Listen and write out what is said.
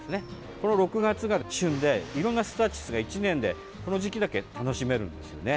この６月が旬でいろんなスターチスが１年でこの時期だけ楽しめるんですね。